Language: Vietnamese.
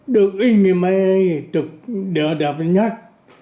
được in cái máy đấy thì thật đẹp nhất